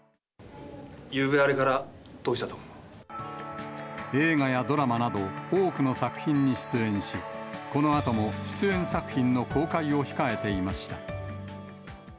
ゆうべ、あれからどうしたと映画やドラマなど、多くの作品に出演し、このあとも出演作品の公開を控えていました。